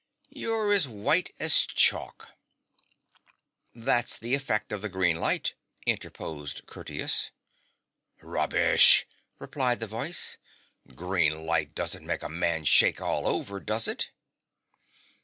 You're as white as chalk.' ' That's the effect of the green light,' interposed Curtius. ' Rubbish !' replied the voice, 'green light doesn't make a man shake all over, does it